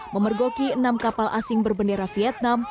memergoki enam kapal asing berbendera vietnam